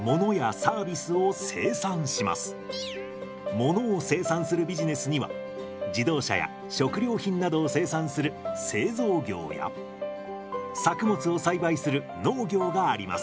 ものを生産するビジネスには自動車や食料品などを生産する製造業や作物を栽培する農業があります。